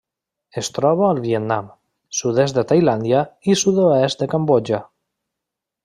Es troba al Vietnam, sud-est de Tailàndia i sud-oest de Cambodja.